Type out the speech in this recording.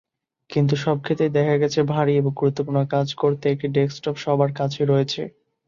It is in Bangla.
কিন্তু সব ক্ষেত্রেই দেখা গেছে ভারি এবং গুরুত্বপূর্ণ কাজ করতে একটি ডেস্কটপ সবার কাছেই রয়েছে।